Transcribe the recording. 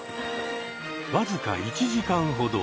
わずか１時間ほど。